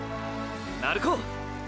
鳴子！！